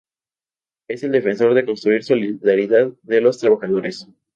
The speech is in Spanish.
Él es defensor de "construir solidaridad de los trabajadores.